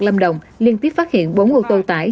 lâm đồng liên tiếp phát hiện bốn ô tô tải